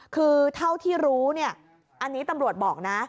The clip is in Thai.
คือเท่าที่รู้เนี่ยอันนี้ตำรวจบอกนะ